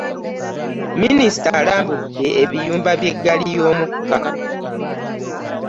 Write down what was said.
Min is it a alambudde ebiyumba by'eggaali y'omukka .